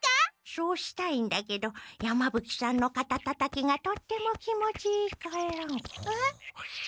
そうしたいんだけど山ぶ鬼さんのかたたたきがとっても気持ちいいから。